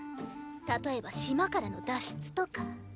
例えば島からの脱出とか。